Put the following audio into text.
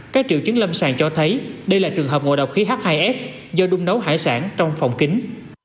các triệu chứng lâm sàng cho thấy đây là trường hợp ngộ độc khí h hai s do đun nấu hải sản trong phòng kính